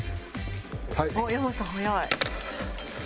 あっ山内さん早い。